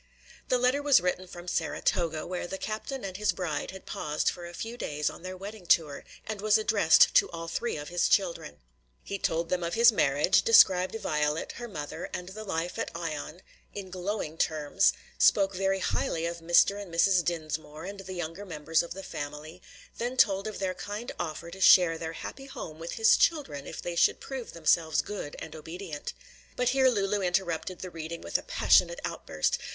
The letter was written from Saratoga, where the captain and his bride had paused for a few days on their wedding tour, and was addressed to all three of his children. He told them of his marriage, described Violet, her mother, and the life at Ion in glowing terms, spoke very highly of Mr. and Mrs. Dinsmore and the younger members of the family, then told of their kind offer to share their happy home with his children if they should prove themselves good and obedient. But here Lulu interrupted the reading with a passionate outburst.